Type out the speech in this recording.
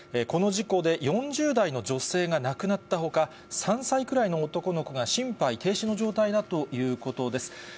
この事故で、４０代の女性が亡くなったほか、３歳くらいの男の子が心肺停止の状態だということです。